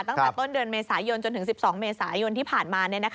ตั้งแต่ต้นเดือนเมษายนจนถึง๑๒เมษายนที่ผ่านมา